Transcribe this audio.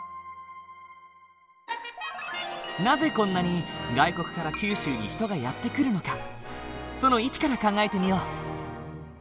なぜこんなに外国から九州に人がやって来るのかその位置から考えてみよう。